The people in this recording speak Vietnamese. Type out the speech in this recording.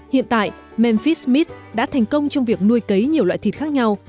hiện tại memphis mist đã thành công trong việc nuôi cấy nhiều loại thịt khác nhau